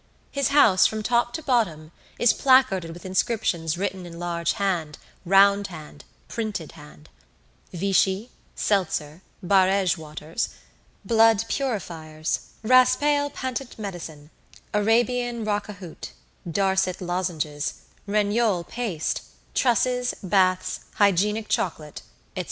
His house from top to bottom is placarded with inscriptions written in large hand, round hand, printed hand: "Vichy, Seltzer, Barege waters, blood purifiers, Raspail patent medicine, Arabian racahout, Darcet lozenges, Regnault paste, trusses, baths, hygienic chocolate," etc.